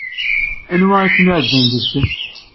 Anwa ay kem-iɛejben deg-sen?